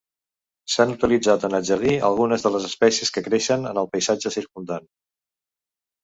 S'han utilitzat en el jardí algunes de les espècies que creixen en el paisatge circumdant.